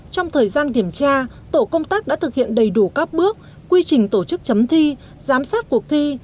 trong thời gian kiểm tra tổ công tác đã thực hiện đầy đủ các bước quy trình tổ chức chấm thi giám sát cuộc thi